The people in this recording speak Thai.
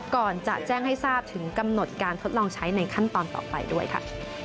ก่อนจะแจ้งให้ทราบถึงกำหนดการทดลองใช้ในขั้นตอนต่อไปด้วยค่ะ